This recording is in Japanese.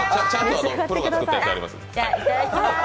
いただきます。